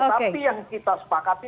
tetapi yang kita sepakati